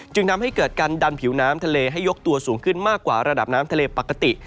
ทำให้เกิดการดันผิวน้ำทะเลให้ยกตัวสูงขึ้นมากกว่าระดับน้ำทะเลปกติ